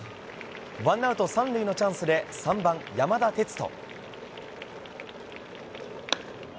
ワンアウト３塁のチャンスで３番、山田哲人。